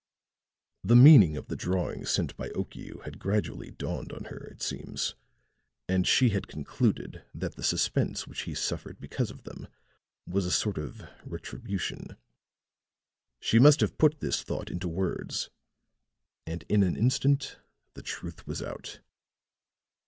The meaning of the drawings sent by Okiu had gradually dawned upon her, it seems, and she had concluded that the suspense which he suffered because of them was a sort of retribution. She must have put this thought into words, and in an instant the truth was out.